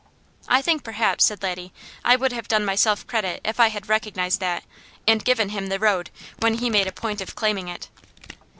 "I think perhaps," said Laddie, "I would have done myself credit if I had recognized that, and given him the road, when he made a point of claiming it."